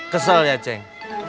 kesel ya ceng